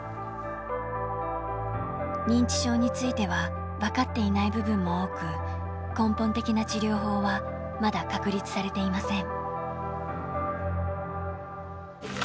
認知症については、分かっていない部分も多く、根本的な治療法はまだ確立されていません。